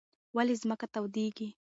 ولې ځمکه تودېږي؟